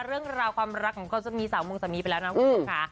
เรื่องราวความรักของสามีสามองค์สามีไปแล้วนะครับคุณผู้ชมค่ะ